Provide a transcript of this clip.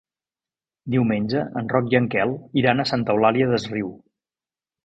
Diumenge en Roc i en Quel iran a Santa Eulària des Riu.